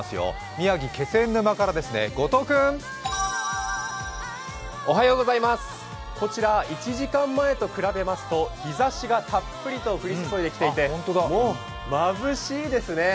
宮城・気仙沼からですね、後藤君。こちら、１時間前と比べますと日ざしがたっぷりとふり注いできてもうまぶしいですね。